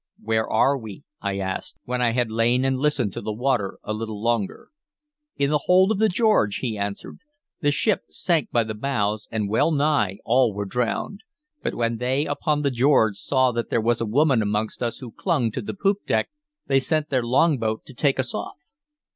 "Where are we?" I asked, when I had lain and listened to the water a little longer. "In the hold of the George," he answered. "The ship sank by the bows, and well nigh all were drowned. But when they upon the George saw that there was a woman amongst us who clung to the poop deck, they sent their longboat to take us off."